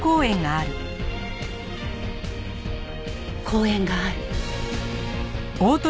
公園がある。